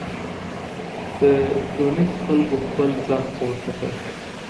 د ټونس خلګو خپل ږغ پورته کړ.